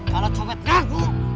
kalau copet ngaku